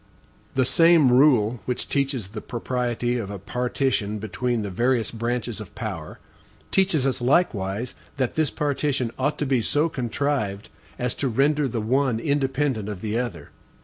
The same rule which teaches the propriety of a partition between the various branches of power, teaches us likewise that this partition ought to be so contrived as to render the one independent of the other.